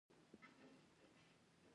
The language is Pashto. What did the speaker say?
د هغه ژړا زور واخیست او نور منتظر وو